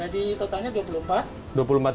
jadi totalnya rp dua puluh empat